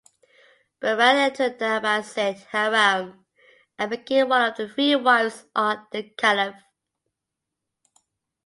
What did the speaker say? Buran entered the Abbasid harem and became one of three wives od the caliph.